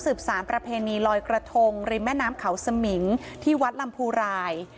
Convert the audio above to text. สารประเพณีลอยกระทงริมแม่น้ำเขาสมิงที่วัดลำพูราย